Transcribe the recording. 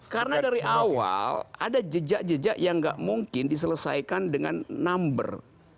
karena dari awal ada jejak jejak yang tidak mungkin diselesaikan dengan number